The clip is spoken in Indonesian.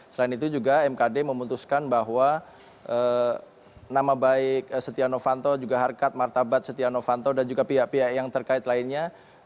selain itu juga mekad memutuskan bahwa nama baik stiano vanto juga harkat martabat stiano vanto dan juga pihak pihak yang terkait lainnya